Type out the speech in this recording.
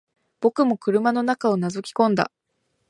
僕も車の中を覗き込んだ